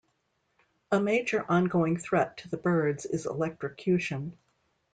A major ongoing threat to the birds is electrocution.